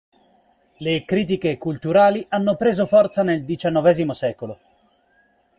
Le critiche culturali hanno preso forza nel diciannovesimo secolo.